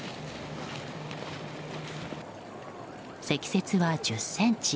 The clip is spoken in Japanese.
積雪は１０ｃｍ。